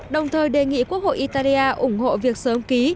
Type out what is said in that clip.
đồng thời đề nghị quốc hội italia ủng hộ việc sớm ký